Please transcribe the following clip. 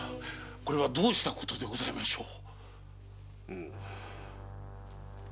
これはどうしたことでございましょう？